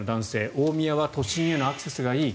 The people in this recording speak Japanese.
大宮は都心へのアクセスがいい。